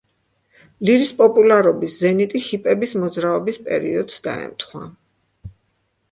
ლირის პოპულარობის ზენიტი ჰიპების მოძრაობის პერიოდს დაემთხვა.